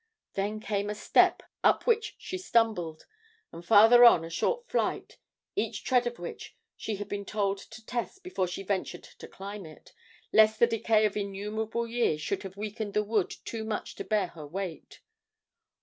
Then came a step up which she stumbled, and farther on a short flight, each tread of which she had been told to test before she ventured to climb it, lest the decay of innumerable years should have weakened the wood too much to bear her weight.